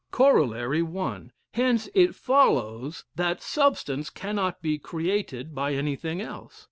Corollary 1. Hence it follows that substance cannot be created by anything else.